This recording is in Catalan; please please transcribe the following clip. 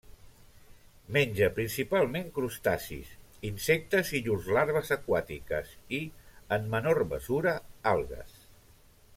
Menja principalment crustacis, insectes i llurs larves aquàtiques, i, en menor mesura, algues.